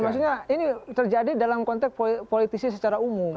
maksudnya ini terjadi dalam konteks politisi secara umum